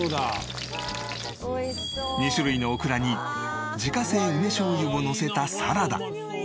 ２種類のオクラに自家製梅しょう油をのせたサラダ。